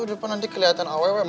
di depan nanti kelihatan awet awet